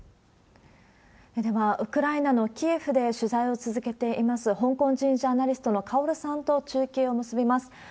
では、ウクライナのキエフで取材を続けています、香港人ジャーナリストのカオルさんと中継を結びます。